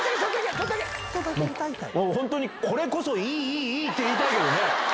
本当に、これこそいいいいいいって言いたいけどね。